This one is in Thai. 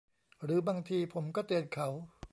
หรือบางทีผมก็เตือนเขา